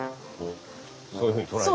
そういうふうに捉えて。